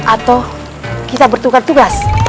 atau kita bertukar tugas